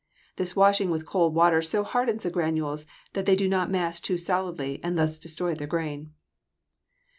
This washing with cold water so hardens the granules that they do not mass too solidly and thus destroy the grain.